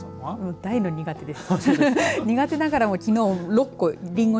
大の苦手です。